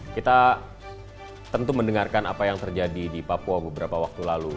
kita tentu mendengarkan apa yang terjadi di papua beberapa waktu lalu